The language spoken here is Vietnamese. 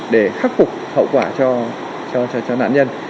để khắc phục hậu quả cho nạn nhân